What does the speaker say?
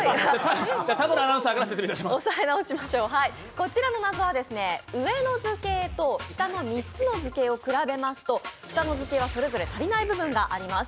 こちらの謎は上の図形と下の３つ図形を比べますと、下の図形はそれぞれ足りない部分があります。